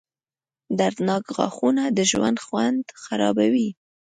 • دردناک غاښونه د ژوند خوند خرابوي.